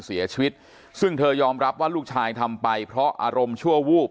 เสียชีวิตซึ่งเธอยอมรับว่าลูกชายทำไปเพราะอารมณ์ชั่ววูบ